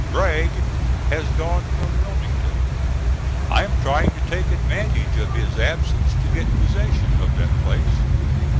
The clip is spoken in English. Bragg has gone from Wilmington. I am trying to take advantage of his absence to get possession of that place.